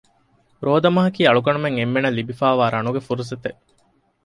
ރޯދަމަހަކީ އަޅުގަނޑުމެން އެންމެންނަށް ލިބިފައިވާ ރަނުގެ ފުރުޞަތެއް